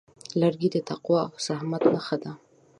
لرګی د تقوا او زحمت نښه ده.